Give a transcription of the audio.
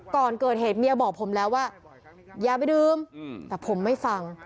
ก่อนเกิดเหตุเมียบอกผมแล้วว่าอย่าไปดื่มแต่ผมไม่ฟัง